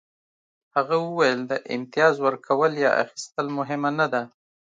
هغه وویل د امتیاز ورکول یا اخیستل مهمه نه ده